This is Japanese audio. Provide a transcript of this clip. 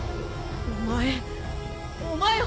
お前。